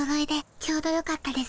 ちょうどよかったです。